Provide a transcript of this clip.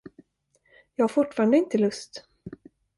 Jag har fortfarande inte lust.